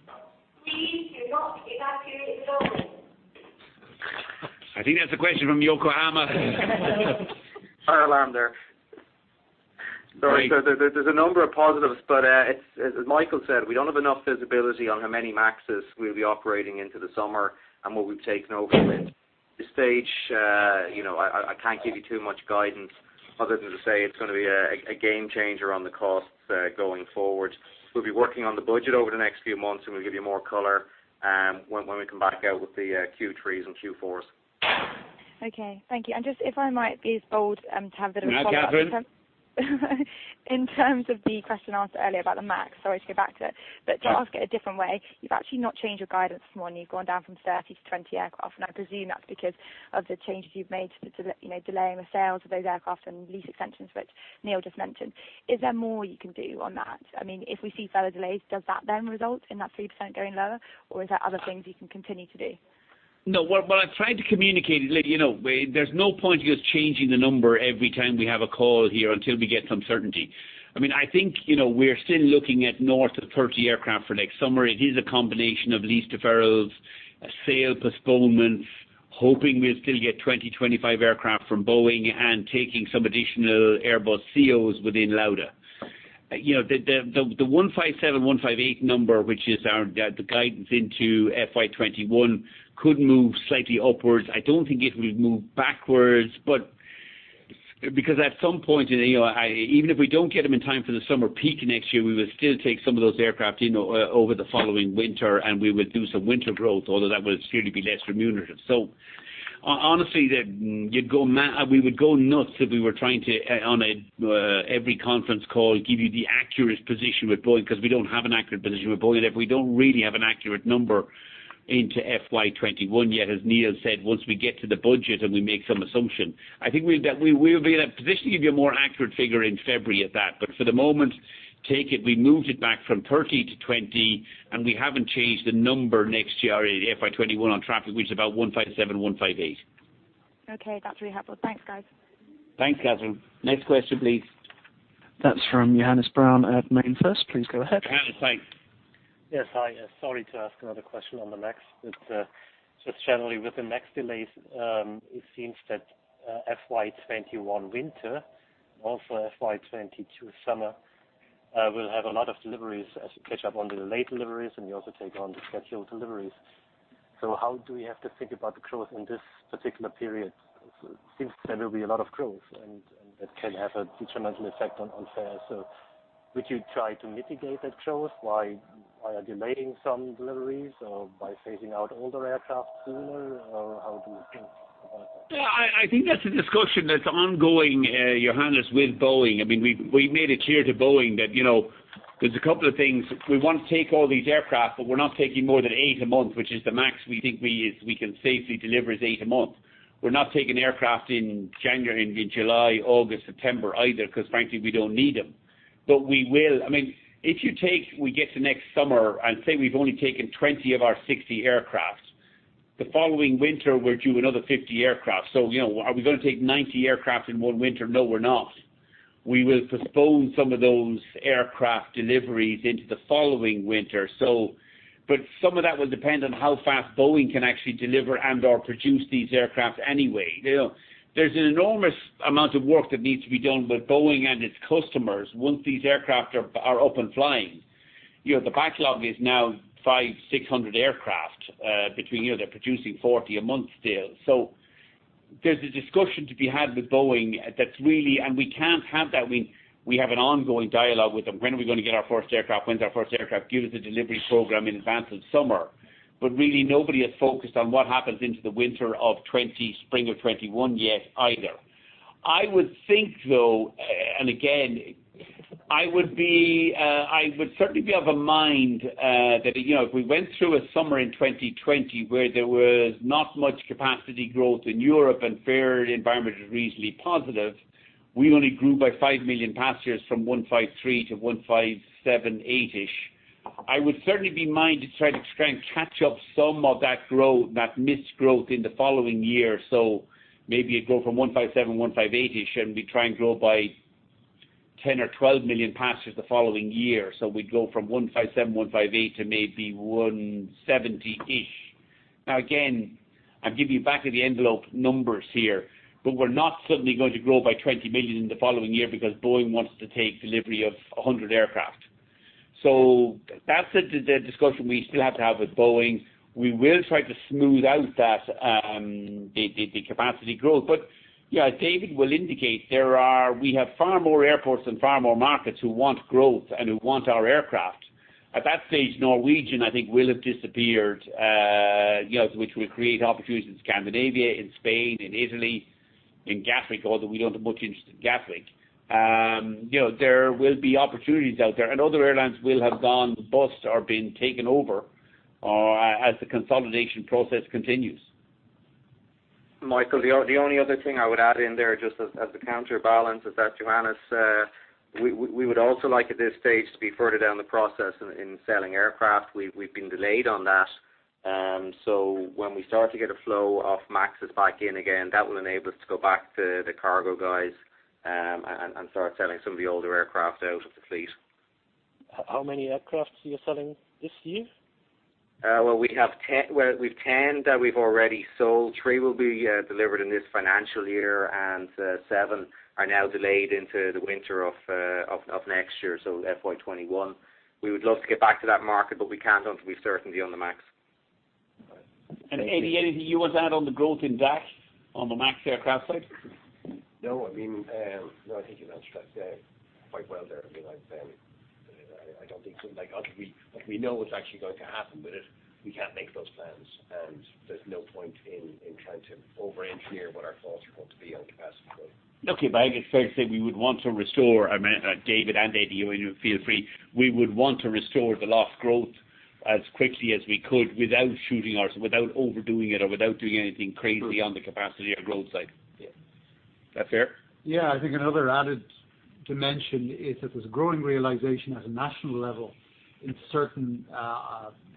Please do not evacuate the building. I think that's a question from Yokohama. Fire alarm there. Sorry. There's a number of positives, but as Michael said, we don't have enough visibility on how many MAXes we'll be operating into the summer and what we've taken over. At this stage, I can't give you too much guidance other than to say it's going to be a game changer on the costs going forward. We'll be working on the budget over the next few months, and we'll give you more color when we come back out with the Q3s and Q4s. Okay. Thank you. Just if I might be as bold to have a bit of a follow-up. Yeah, Kathryn. In terms of the question asked earlier about the MAX, sorry to go back to it. To ask it a different way, you've actually not changed your guidance this morning. You've gone down from 30 to 20 aircraft, and I presume that's because of the changes you've made to the delaying the sales of those aircraft and lease extensions, which Neil just mentioned. Is there more you can do on that? I mean, if we see further delays, does that then result in that 3% going lower, or is there other things you can continue to do? No. What I'm trying to communicate is there's no point in us changing the number every time we have a call here until we get some certainty. I think we're still looking at north of 30 aircraft for next summer. It is a combination of lease deferrals, sale postponements, hoping we'll still get 20, 25 aircraft from Boeing, and taking some additional Airbus A320ceos within Lauda. The 157, 158 number, which is the guidance into FY 2021, could move slightly upwards. I don't think it will move backwards. At some point, even if we don't get them in time for the summer peak next year, we will still take some of those aircraft in over the following winter, and we will do some winter growth, although that will clearly be less remunerative. Honestly, we would go nuts if we were trying to, on every conference call, give you the accurate position with Boeing because we don't have an accurate position with Boeing. We don't really have an accurate number into FY 2021 yet. As Neil said, once we get to the budget and we make some assumption. I think we'll be in a position to give you a more accurate figure in February at that. For the moment, take it, we moved it back from 30 to 20, and we haven't changed the number next year, FY 2021 on traffic, which is about 157, 158. Okay. That's really helpful. Thanks, guys. Thanks, Kathryn. Next question, please. That is from Johannes Braun at MainFirst. Please go ahead. Johannes, hi. Yes. Hi. Sorry to ask another question on the MAX, but just generally with the MAX delays, it seems that FY 2021 winter, also FY 2022 summer, will have a lot of deliveries as you catch up on the late deliveries, and you also take on the scheduled deliveries. How do we have to think about the growth in this particular period? It seems there will be a lot of growth, and it can have a detrimental effect on fares. Would you try to mitigate that growth by delaying some deliveries or by phasing out older aircraft sooner? How do you think about that? I think that's a discussion that's ongoing, Johannes, with Boeing. We've made it clear to Boeing that there's a couple of things. We want to take all these aircraft, but we're not taking more than eight a month, which is the max we think we can safely deliver is eight a month. We're not taking aircraft in January, in July, August, September either, because frankly, we don't need them. If we get to next summer and say we've only taken 20 of our 60 aircraft, the following winter, we're due another 50 aircraft. Are we going to take 90 aircraft in one winter? No, we're not. We will postpone some of those aircraft deliveries into the following winter. Some of that will depend on how fast Boeing can actually deliver and/or produce these aircraft anyway. There's an enormous amount of work that needs to be done with Boeing and its customers once these aircraft are up and flying. The backlog is now 500, 600 aircraft. They're producing 40 a month still. There's a discussion to be had with Boeing, and we can't have that. We have an ongoing dialogue with them. When are we going to get our first aircraft? When is our first aircraft due to the delivery program in advance of summer? Really, nobody has focused on what happens into the winter of 2020, spring of 2021 yet either. I would think, though, and again, I would certainly be of a mind that if we went through a summer in 2020 where there was not much capacity growth in Europe and fare environment was reasonably positive, we only grew by 5 million passengers from 153 to 157, 8-ish. I would certainly be mind to try and catch up some of that missed growth in the following year. Maybe it grow from 157, 158-ish, and we try and grow by 10 or 12 million passengers the following year. We'd go from 157, 158 to maybe 170-ish. Again, I'm giving you back of the envelope numbers here, we're not suddenly going to grow by 20 million in the following year because Boeing wants to take delivery of 100 aircraft. That's the discussion we still have to have with Boeing. We will try to smooth out the capacity growth. Yeah, as David will indicate, we have far more airports and far more markets who want growth and who want our aircraft. At that stage, Norwegian, I think, will have disappeared, which will create opportunities in Scandinavia, in Spain, in Italy, in Gatwick, although we don't have much interest in Gatwick. There will be opportunities out there, and other airlines will have gone bust or been taken over as the consolidation process continues. Michael, the only other thing I would add in there, just as a counterbalance, is that Johannes, we would also like at this stage to be further down the process in selling aircraft. We've been delayed on that. When we start to get a flow of MAXes back in again, that will enable us to go back to the cargo guys, and start selling some of the older aircraft out of the fleet. How many aircrafts are you selling this year? Well, we've 10 that we've already sold. Three will be delivered in this financial year, and seven are now delayed into the winter of next year, so FY 2021. We would love to get back to that market, but we can't until we've certainty on the MAX. Eddie, anything you want to add on the growth in DAC on the MAX aircraft side? No. I think you've answered that quite well there. We know what's actually going to happen, but we can't make those plans, and there's no point in trying to over-engineer what our thoughts are going to be on capacity growth. Okay. I guess fair to say we would want to restore, David and Eddie, feel free, we would want to restore the lost growth as quickly as we could without shooting without overdoing it or without doing anything crazy on the capacity or growth side. Yeah. That fair? Yeah, I think another added dimension is that there's a growing realization at a national level in certain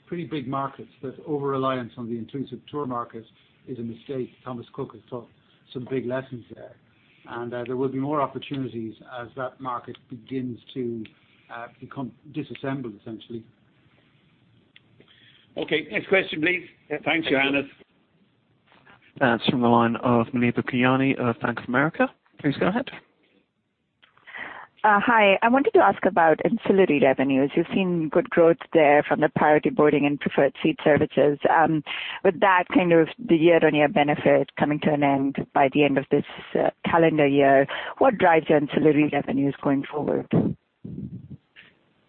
pretty big markets that over-reliance on the intrusive tour market is a mistake. Thomas Cook has taught some big lessons there. There will be more opportunities as that market begins to become disassembled, essentially. Okay. Next question, please. Thanks, Johannes. That's from the line of Muneer Ahmed of Bank of America. Please go ahead. Hi. I wanted to ask about ancillary revenues. You've seen good growth there from the priority boarding and preferred seat services. With that kind of the year-on-year benefit coming to an end by the end of this calendar year, what drives your ancillary revenues going forward?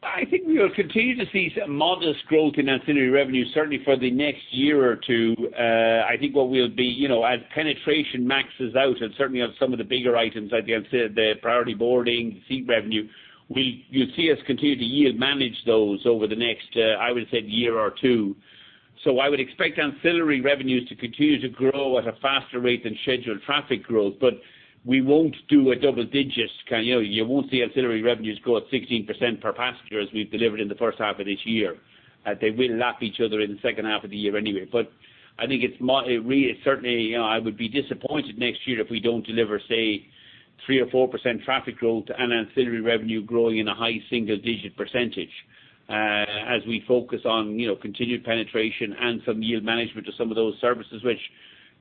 I think we'll continue to see some modest growth in ancillary revenues, certainly for the next year or two. I think what we'll be, as penetration maxes out, and certainly on some of the bigger items, I'd say the priority boarding, seat revenue, you'll see us continue to yield manage those over the next, I would say, year or two. I would expect ancillary revenues to continue to grow at a faster rate than scheduled traffic growth, but we won't do a double digits. You won't see ancillary revenues grow at 16% per passenger as we've delivered in the first half of this year. They will lap each other in the second half of the year anyway. I think certainly, I would be disappointed next year if we don't deliver, say, 3% or 4% traffic growth and ancillary revenue growing in a high single-digit percentage, as we focus on continued penetration and some yield management of some of those services, which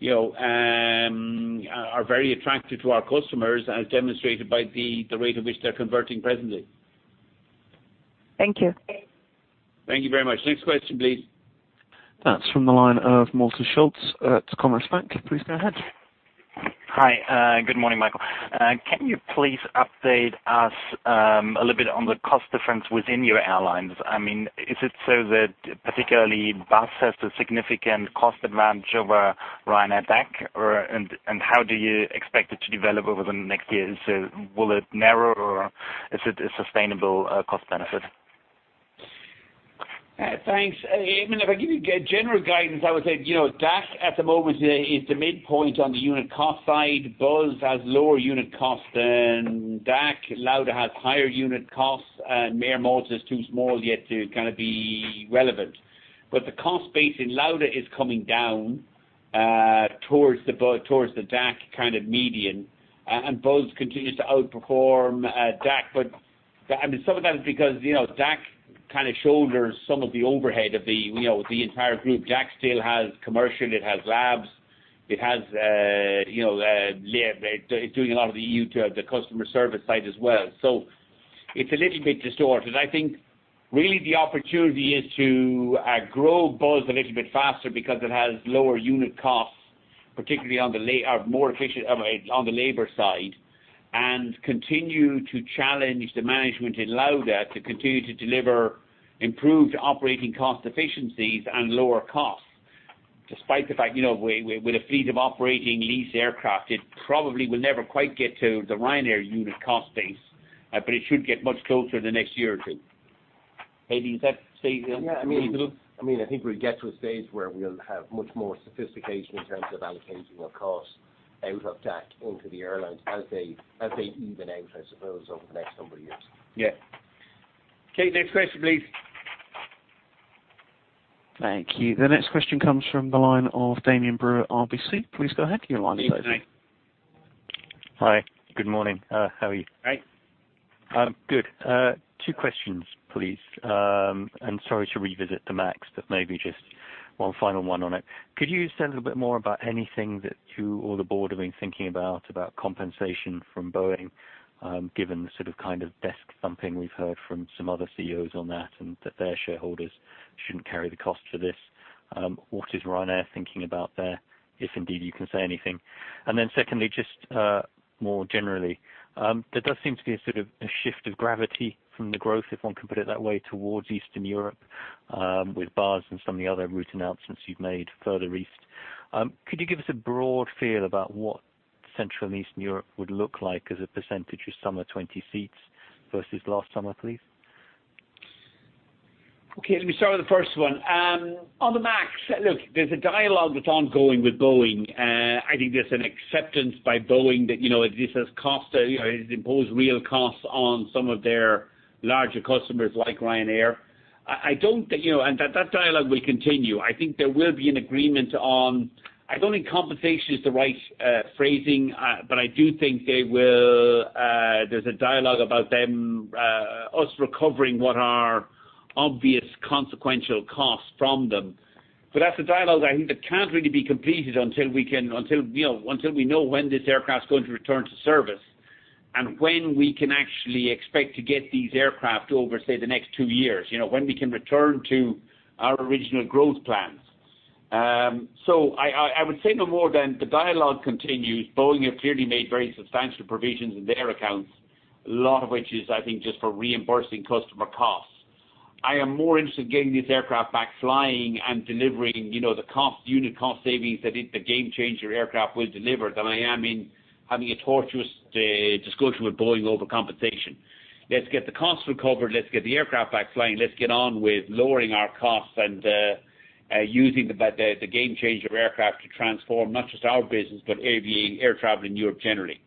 are very attractive to our customers, as demonstrated by the rate at which they're converting presently. Thank you. Thank you very much. Next question, please. That's from the line of Moritz Scholz at Commerzbank. Please go ahead. Hi. Good morning, Michael. Can you please update us a little bit on the cost difference within your airlines? Is it so that particularly Buzz has a significant cost advantage over Ryanair DAC? How do you expect it to develop over the next years? Will it narrow, or is it a sustainable cost benefit? Thanks. If I give you general guidance, I would say, DAC at the moment is the midpoint on the unit cost side. Buzz has lower unit cost than DAC. Lauda has higher unit costs, and Malta is too small yet to be relevant. The cost base in Lauda is coming down towards the DAC kind of median, and Buzz continues to outperform DAC. Some of that is because DAC kind of shoulders some of the overhead of the entire group. DAC still has commercial, it has Ryanair Labs. It's doing a lot of the customer service side as well. It's a little bit distorted. I think really the opportunity is to grow Buzz a little bit faster because it has lower unit costs, particularly on the labor side, and continue to challenge the management in Lauda to continue to deliver improved operating cost efficiencies and lower costs. Despite the fact, with a fleet of operating lease aircraft, it probably will never quite get to the Ryanair unit cost base. It should get much closer in the next year or two. Eddie, does that say a little? I think we'll get to a stage where we'll have much more sophistication in terms of allocating our costs out of DAC into the airlines as they even out, I suppose, over the next number of years. Yeah. Okay, next question, please. Thank you. The next question comes from the line of Damian Brewer, RBC. Please go ahead. Your line is open. Hi. Good morning. How are you? Great. Good. Two questions, please. Sorry to revisit the MAX, but maybe just one final one on it. Could you say a little bit more about anything that you or the board have been thinking about compensation from Boeing, given the sort of desk thumping we've heard from some other CEOs on that, and that their shareholders shouldn't carry the cost for this? What is Ryanair thinking about there, if indeed you can say anything? Secondly, just more generally, there does seem to be a sort of a shift of gravity from the growth, if one can put it that way, towards Eastern Europe, with Buzz and some of the other route announcements you've made further east. Could you give us a broad feel about what Central and Eastern Europe would look like as a percentage of summer 2020 seats versus last summer, please? Okay, let me start with the first one. On the MAX, look, there's a dialogue that's ongoing with Boeing. I think there's an acceptance by Boeing that this has imposed real costs on some of their larger customers like Ryanair. That dialogue will continue. I think there will be an agreement on, I don't think compensation is the right phrasing, but I do think there's a dialogue about us recovering what are obvious consequential costs from them. That's a dialogue I think that can't really be completed until we know when this aircraft's going to return to service and when we can actually expect to get these aircraft over, say, the next two years. When we can return to our original growth plans. I would say no more than the dialogue continues. Boeing have clearly made very substantial provisions in their accounts, a lot of which is, I think, just for reimbursing customer costs. I am more interested in getting these aircraft back flying and delivering the unit cost savings that the game changer aircraft will deliver than I am in having a torturous discussion with Boeing over compensation. Let's get the costs recovered. Let's get the aircraft back flying. Let's get on with lowering our costs and using the game changer aircraft to transform not just our business, but air travel in Europe generally.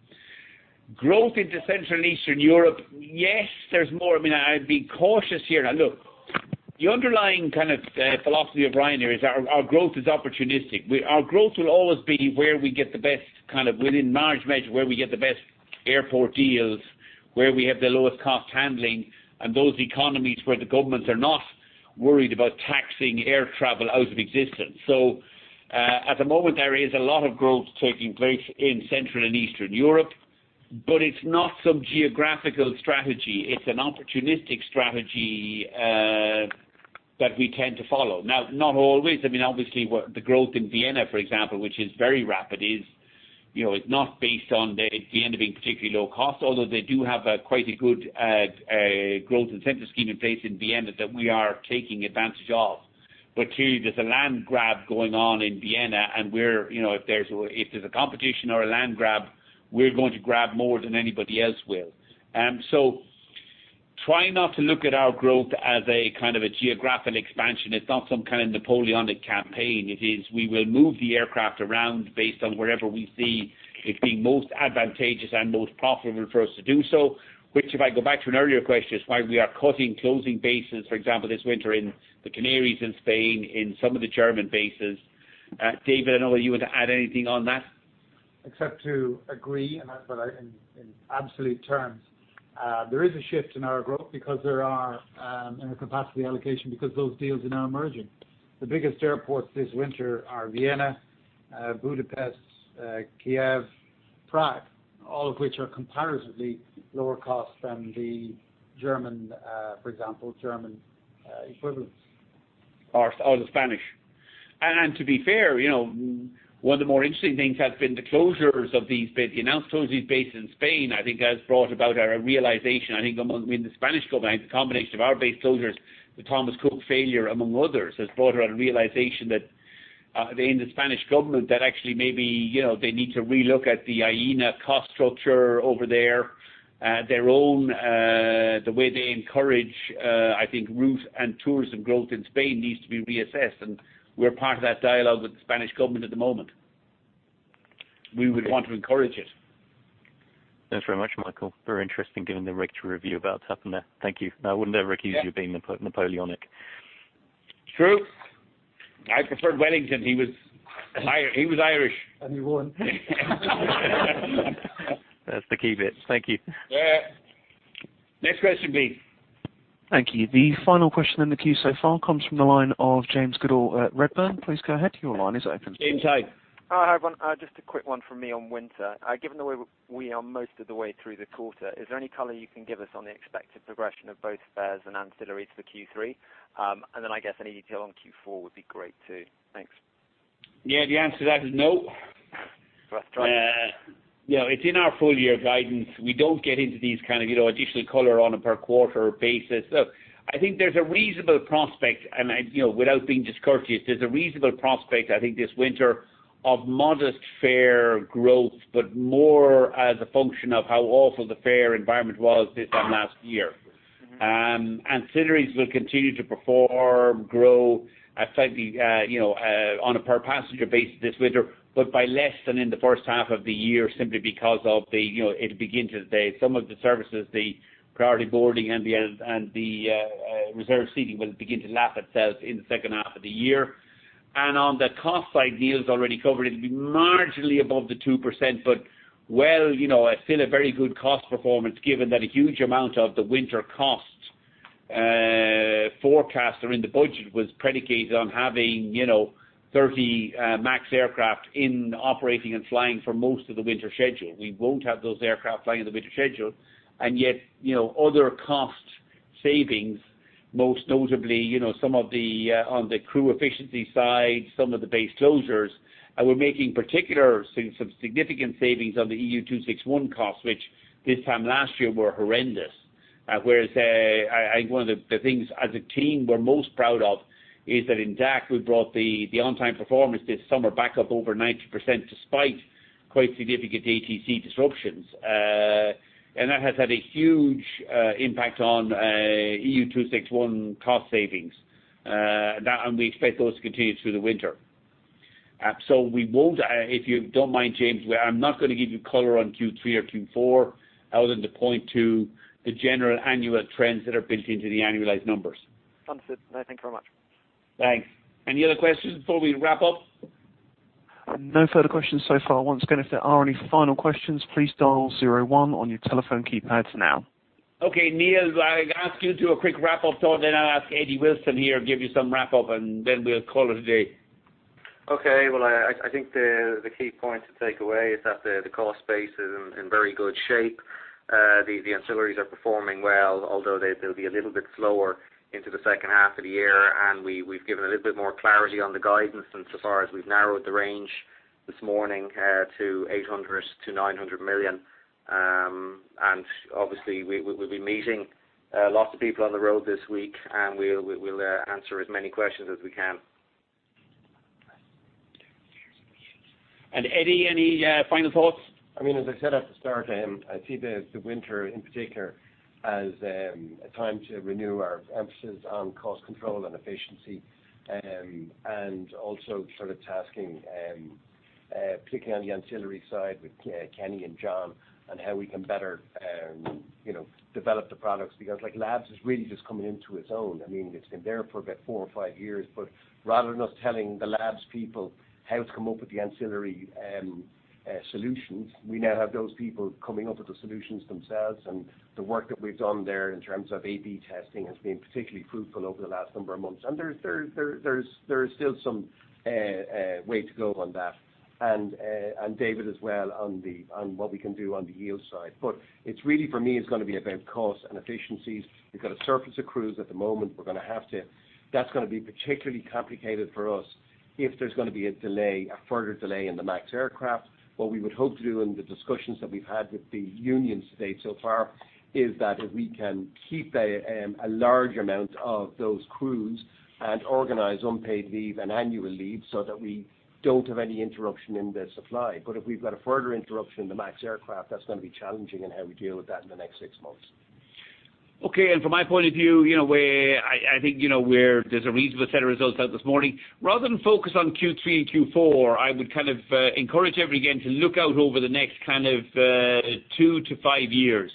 Growth into Central and Eastern Europe, yes, there's more. I'd be cautious here. Now look, the underlying kind of philosophy of Ryanair is our growth is opportunistic. Our growth will always be within margin measure, where we get the best airport deals, where we have the lowest cost handling, and those economies where the governments are not worried about taxing air travel out of existence. At the moment, there is a lot of growth taking place in Central and Eastern Europe, but it's not some geographical strategy. It's an opportunistic strategy that we tend to follow. Not always. Obviously, the growth in Vienna, for example, which is very rapid, is not based on Vienna being particularly low cost, although they do have quite a good growth incentive scheme in place in Vienna that we are taking advantage of. Clearly, there's a land grab going on in Vienna, and if there's a competition or a land grab, we're going to grab more than anybody else will. Try not to look at our growth as a kind of a geographical expansion. It's not some kind of Napoleonic campaign. We will move the aircraft around based on wherever we see it being most advantageous and most profitable for us to do so. If I go back to an earlier question, is why we are cutting and closing bases, for example, this winter in the Canaries, in Spain, in some of the German bases. David, I don't know whether you want to add anything on that. Except to agree in absolute terms. There is a shift in our growth and our capacity allocation because those deals are now emerging. The biggest airports this winter are Vienna, Budapest, Kyiv, Prague, all of which are comparatively lower cost than the German equivalents. The Spanish. To be fair, one of the more interesting things has been the closures of these. The announced closures of these bases in Spain, I think, has brought about a realization, I think, among the Spanish government. The combination of our base closures, the Thomas Cook failure, among others, has brought about a realization that in the Spanish government that actually maybe they need to relook at the Aena cost structure over there. The way they encourage routes and tourism growth in Spain needs to be reassessed, and we're part of that dialogue with the Spanish government at the moment. We would want to encourage it. Thanks very much, Michael. Very interesting, given the regulatory review about to happen there. Thank you. I would never accuse you of being Napoleonic. It's true. I preferred Wellington. He was Irish. He won. That's the key bit. Thank you. Yeah. Next question, please. Thank you. The final question in the queue so far comes from the line of James Goodall at Redburn. Please go ahead. Your line is open. James, hi. Hi, everyone. Just a quick one from me on winter. Given the way we are most of the way through the quarter, is there any color you can give us on the expected progression of both fares and ancillary to Q3? I guess any detail on Q4 would be great too. Thanks. Yeah, the answer to that is no. Frustrating. It's in our full-year guidance. We don't get into these kind of additional color on a per quarter basis. Look, I think there's a reasonable prospect, and without being discourteous, there's a reasonable prospect, I think, this winter of modest fare growth, but more as a function of how awful the fare environment was this time last year. Ancillaries will continue to perform, grow slightly on a per passenger basis this winter, but by less than in the first half of the year, simply because some of the services, the priority boarding and the reserved seating will begin to lap itself in the second half of the year. On the cost side, Neil's already covered it. It'll be marginally above the 2%, but still a very good cost performance given that a huge amount of the winter cost forecasts are in the budget was predicated on having 30 MAX aircraft in operating and flying for most of the winter schedule. We won't have those aircraft flying in the winter schedule, yet other cost savings, most notably on the crew efficiency side, some of the base closures, and we're making particular significant savings on the EU 261 costs, which this time last year were horrendous. I think one of the things as a team we're most proud of is that in DAC, we brought the on-time performance this summer back up over 90% despite quite significant ATC disruptions. That has had a huge impact on EU 261 cost savings. We expect those to continue through the winter. If you don't mind, James, I'm not going to give you color on Q3 or Q4 other than to point to the general annual trends that are built into the annualized numbers. Understood. No, thank you very much. Thanks. Any other questions before we wrap up? No further questions so far. Once again, if there are any final questions, please dial 01 on your telephone keypads now. Neil, I'll ask you to do a quick wrap up thought, then I'll ask Eddie Wilson here, give you some wrap up, and then we'll call it a day. Okay. Well, I think the key point to take away is that the cost base is in very good shape. The ancillaries are performing well, although they'll be a little bit slower into the second half of the year. We've given a little bit more clarity on the guidance insofar as we've narrowed the range this morning to 800 million-900 million. Obviously we'll be meeting lots of people on the road this week. We'll answer as many questions as we can. Eddie, any final thoughts? As I said at the start, I see the winter in particular as a time to renew our emphasis on cost control and efficiency, and also tasking, particularly on the ancillary side with Kenny and John on how we can better develop the products. Because Labs is really just coming into its own. It's been there for about four or five years, but rather than us telling the Labs people how to come up with the ancillary solutions, we now have those people coming up with the solutions themselves. The work that we've done there in terms of A/B testing has been particularly fruitful over the last number of months. There is still some way to go on that. David as well on what we can do on the yield side. It's really for me, it's going to be about cost and efficiencies. We've got to surface the crews at the moment. That's going to be particularly complicated for us if there's going to be a further delay in the MAX aircraft. What we would hope to do in the discussions that we've had with the unions to date so far is that if we can keep a large amount of those crews and organize unpaid leave and annual leave so that we don't have any interruption in the supply. If we've got a further interruption in the MAX aircraft, that's going to be challenging in how we deal with that in the next six months. Okay. From my point of view, I think there's a reasonable set of results out this morning. Rather than focus on Q3 and Q4, I would encourage everybody again to look out over the next two to five years.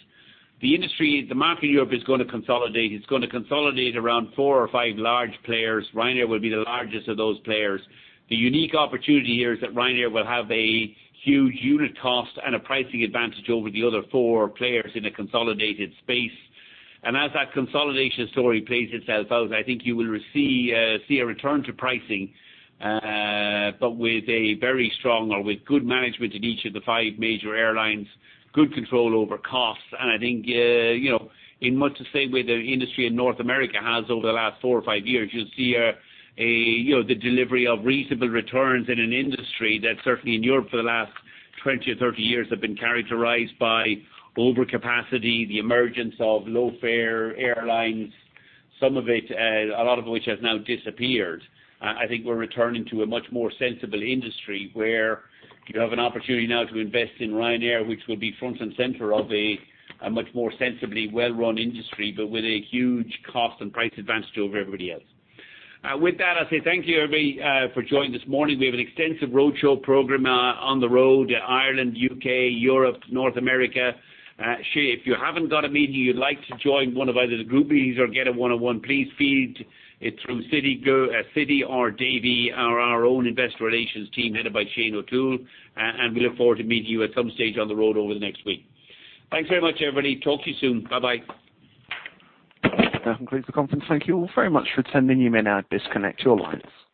The market in Europe is going to consolidate. It's going to consolidate around four or five large players. Ryanair will be the largest of those players. The unique opportunity here is that Ryanair will have a huge unit cost and a pricing advantage over the other four players in a consolidated space. As that consolidation story plays itself out, I think you will see a return to pricing, but with a very strong or with good management in each of the five major airlines, good control over costs, and I think in much the same way the industry in North America has over the last four or five years, you'll see the delivery of reasonable returns in an industry that certainly in Europe for the last 20 or 30 years have been characterized by overcapacity, the emergence of low-fare airlines, a lot of which has now disappeared. I think we're returning to a much more sensible industry where you have an opportunity now to invest in Ryanair, which will be front and center of a much more sensibly well-run industry, but with a huge cost and price advantage over everybody else. With that, I say thank you, everybody, for joining this morning. We have an extensive roadshow program on the road, Ireland, U.K., Europe, North America. If you haven't got a meeting, you'd like to join one of either the group meetings or get a one-on-one, please feed it through Citi or Davy or our own investor relations team headed by Shane O'Toole. We look forward to meeting you at some stage on the road over the next week. Thanks very much, everybody. Talk to you soon. Bye-bye. That concludes the conference. Thank you all very much for attending. You may now disconnect your lines.